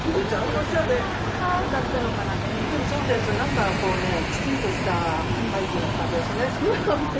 何かきちんとしたタイプだったですね。